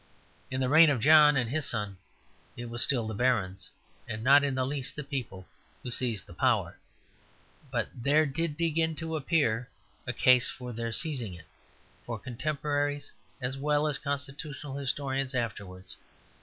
In the reign of John and his son it was still the barons, and not in the least the people, who seized the power; but there did begin to appear a case for their seizing it, for contemporaries as well as constitutional historians afterwards.